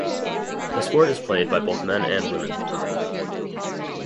The sport is played by both men and women.